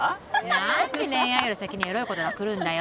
何で恋愛より先にエロいことがくるんだよ